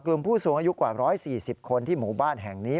ผู้สูงอายุกว่า๑๔๐คนที่หมู่บ้านแห่งนี้